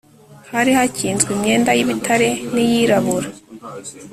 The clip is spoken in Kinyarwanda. Hari hakinzwe imyenda y ibitare n iyirabura